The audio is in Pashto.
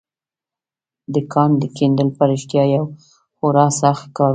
د کان کیندل په رښتيا يو خورا سخت کار و.